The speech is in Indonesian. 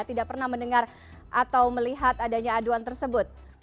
tidak pernah mendengar atau melihat adanya aduan tersebut